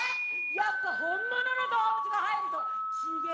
やっぱ本物の動物が入るとちげわ。